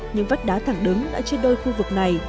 những vách đá thẳng đứng đã trên đôi khu vực này